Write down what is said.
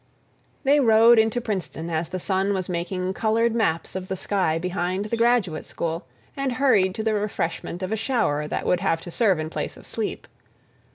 They rode into Princeton as the sun was making colored maps of the sky behind the graduate school, and hurried to the refreshment of a shower that would have to serve in place of sleep.